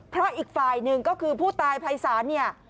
เพราะอีกฝ่ายหนึ่งก็คือผู้ตายภัยศาลเนี่ย